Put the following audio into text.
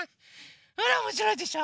ほらおもしろいでしょ？